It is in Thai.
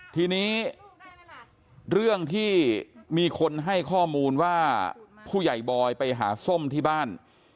ทีนี้เรื่องที่มีคนให้ข้อมูลว่าผู้ใหญ่บอยไปหาส้มที่บ้าน